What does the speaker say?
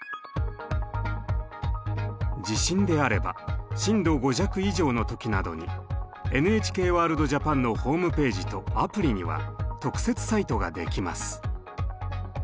地震であれば震度５弱以上の時などに「ＮＨＫワールドＪＡＰＡＮ」のホームページとアプリには特設サイトができます。